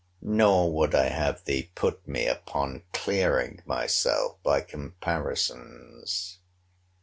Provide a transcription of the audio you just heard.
Nor would I have thee put me upon clearing myself by comparisons.